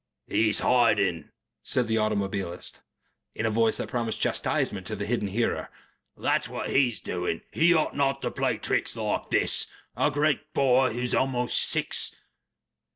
"He's hiding," said the automobilist, in a voice that promised chastisement to a hidden hearer. "That's what he is doing. He ought not to play tricks like this. A great boy who is almost six."